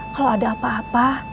kalau ada apa apa